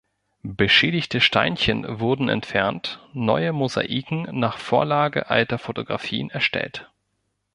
Beschädigte Steinchen wurden entfernt, neue Mosaiken nach Vorlage alter Fotografien erstellt.